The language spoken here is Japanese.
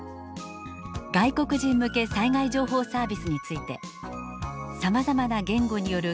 「外国人向け災害情報サービス」について「さまざまな言語による貴重な情報源。